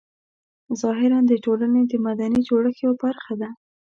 ظاهراً د ټولنې د مدني جوړښت یوه برخه ده.